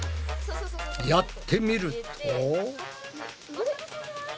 やってみると。